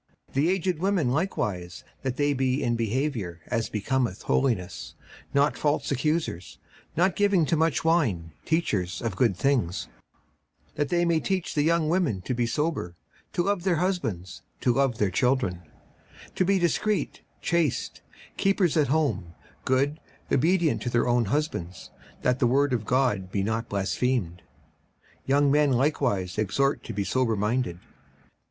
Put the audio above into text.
56:002:003 The aged women likewise, that they be in behaviour as becometh holiness, not false accusers, not given to much wine, teachers of good things; 56:002:004 That they may teach the young women to be sober, to love their husbands, to love their children, 56:002:005 To be discreet, chaste, keepers at home, good, obedient to their own husbands, that the word of God be not blasphemed. 56:002:006 Young men likewise exhort to be sober minded.